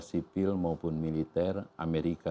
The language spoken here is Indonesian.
sipil maupun militer amerika